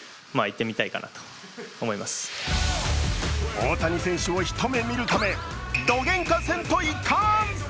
大谷選手をひと目見るためどげんかせんといかん！